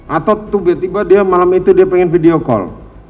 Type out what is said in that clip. atau tiba tiba dia malam itu dia pengen video call